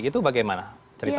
itu bagaimana ceritanya